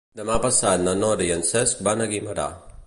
Demà passat na Nora i en Cesc van a Guimerà.